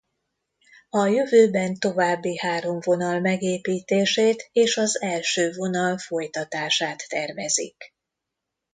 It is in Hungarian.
A jövőben további három vonal megépítését és az első vonal folytatását tervezik.